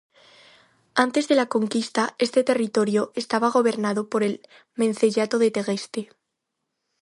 Antes de la conquista, este territorio estaba gobernado por el menceyato de Tegueste...